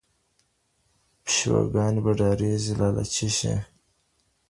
پشو ګاني به ډاریږي لا له څشي